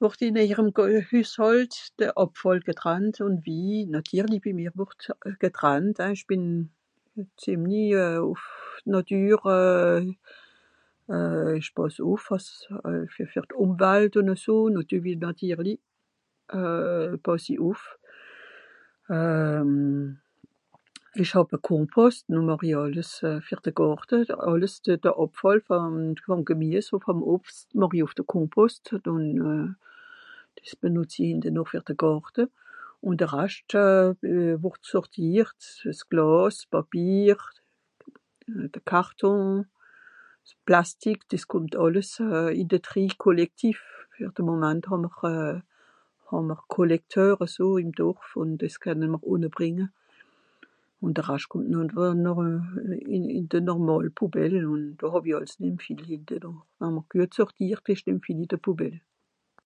Bien sûr chez moi le tri sélectif est fait je suis assez nature je fais attention a l'environnement j'ai un compost. Je fais tout pour le jardin ce qui est végétal c'est pour le compost. Le reste papier, verre carton plastique est trié et va dans le tri sélectif. Bacs présents au village et le reste va dans la poubelle mais si on a bien fait le tri il ne reste pas beaucoup pour la poubelle